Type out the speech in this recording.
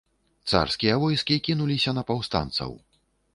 Царскія войскі кінуліся на паўстанцаў.